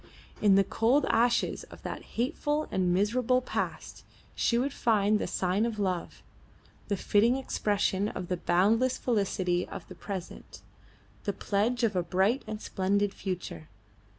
In the cold ashes of that hateful and miserable past she would find the sign of love, the fitting expression of the boundless felicity of the present, the pledge of a bright and splendid future.